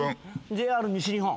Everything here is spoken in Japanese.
ＪＲ西日本。